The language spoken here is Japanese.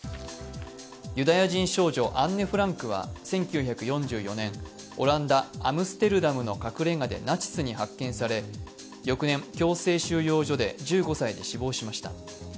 ユダヤ人少女、アンネ・フランクは１９４４年、オランダ・アムステルダムの隠れ家でナチスに発見され、翌年、強制収容所で１５歳で死亡しました。